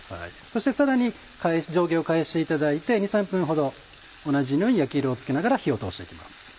そしてさらに上下を返していただいて２３分ほど同じように焼き色をつけながら火を通して行きます。